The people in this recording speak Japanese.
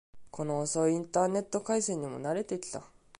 この遅いインターネット回線にも慣れてきた